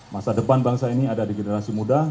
masa depan bangsa ini ada di generasi muda